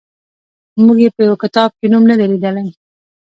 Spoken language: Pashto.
موږ یې په یوه کتاب کې نوم نه دی لیدلی.